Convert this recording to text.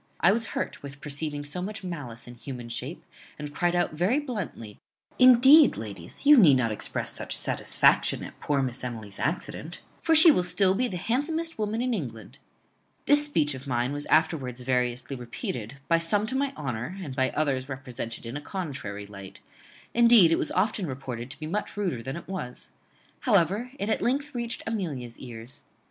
I was hurt with perceiving so much malice in human shape, and cried out very bluntly, Indeed, ladies, you need not express such satisfaction at poor Miss Emily's accident; for she will still be the handsomest woman in England. This speech of mine was afterwards variously repeated, by some to my honour, and by others represented in a contrary light; indeed, it was often reported to be much ruder than it was. However, it at length reached Amelia's ears.